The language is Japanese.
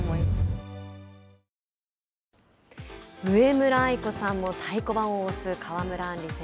上村愛子さんも太鼓判を押す川村あん